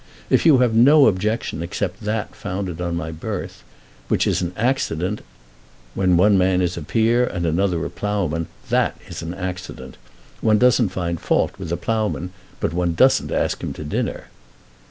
If you have no objection except that founded on my birth, which is an accident " "When one man is a peer and another a ploughman, that is an accident. One doesn't find fault with the ploughman, but one doesn't ask him to dinner."